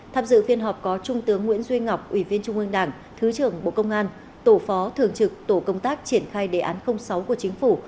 tham dự phiên họp có trung tướng nguyễn duy ngọc ủy viên trung ương đảng thứ trưởng bộ công an tổ phó thường trực tổ công tác triển khai đề án sáu của chính phủ